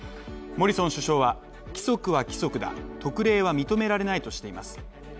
モリソン首相は、規則は規則だ特例は認められないとしています。